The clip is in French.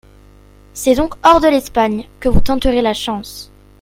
C'est donc hors de l'Espagne que vous tenterez la chance.